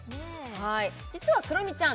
はい実はクロミちゃん